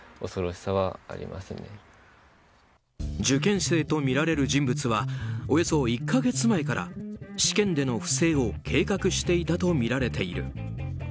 受験生とみられる人物はおよそ１か月前から試験での不正を計画していたとみられている。